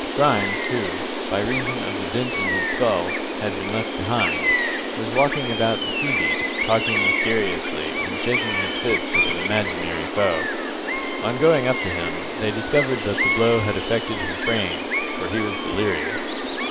Grimes, who, by reason of the dint in his skull, had been left behind, was walking about the sea beach, talking mysteriously, and shaking his fist at an imaginary foe. On going up to him, they discovered that the blow had affected his brain, for he was delirious.